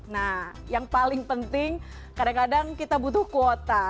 nah yang paling penting kadang kadang kita butuh kuota